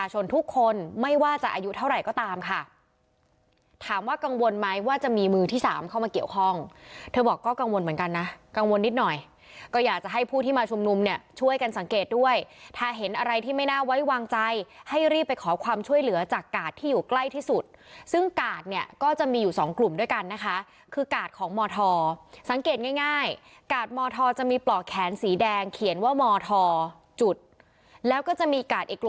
เหมือนกันนะกังวลนิดหน่อยก็อยากจะให้ผู้ที่มาชุมนุมเนี่ยช่วยกันสังเกตด้วยถ้าเห็นอะไรที่ไม่น่าไว้วางใจให้รีบไปขอความช่วยเหลือจากกาศที่อยู่ใกล้ที่สุดซึ่งกาศเนี่ยก็จะมีอยู่สองกลุ่มด้วยกันนะคะคือกาศของหมอทอสังเกตง่ายกาศหมอทอจะมีปลอกแขนสีแดงเขียนว่าหมอทอจุดแล้วก็จะมีกาศอีกกล